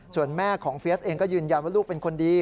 ส่วนแม่ของเฟียสเองก็ยืนยันว่าลูกเป็นคนดี